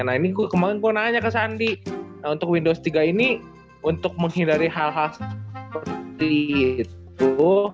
nangis kemarin kenaanya kesandi untuk windows tiga ini untuk menghindari hal hal seperti itu